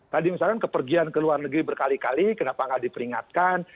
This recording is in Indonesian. tadi misalkan kepergian ke luar negeri berkali kali kenapa nggak diperingatkan